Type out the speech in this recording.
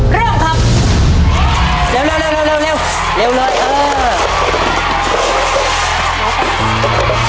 เร่งครับ